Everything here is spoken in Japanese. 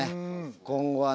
今後はね。